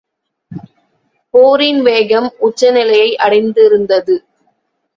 போரின் வேகம் உச்சநிலையை அடைந்திருந்தது.